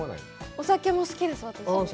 お酒も好きです。